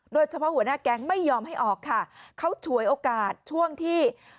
หัวหน้าแก๊งไม่ยอมให้ออกค่ะเขาฉวยโอกาสช่วงที่